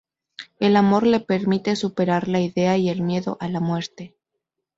El amor le permite superar la idea y el miedo a la muerte.